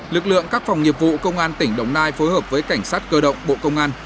lực lượng các phòng nghiệp vụ công an tỉnh đồng nai phối hợp với cảnh sát cơ động bộ công an